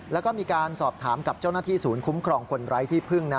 แล้วก็มีการสอบถามกับเจ้าหน้าที่ศูนย์คุ้มครองคนไร้ที่พึ่งนะ